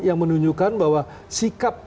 yang menunjukkan bahwa sikap